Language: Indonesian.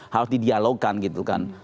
harus di dialogkan gitu kan